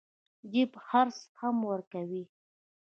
جيب خرڅ هم ورکوي.